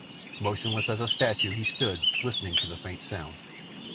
Motionless as a statue he stood listening to the faint sound.